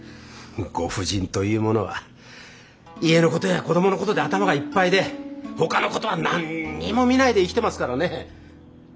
ご婦人というものは家の事や子どもの事で頭がいっぱいでほかの事は何にも見ないで生きてますからねえ。